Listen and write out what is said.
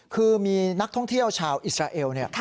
คือมีนักท่องเที่ยวชาวอิสราเอล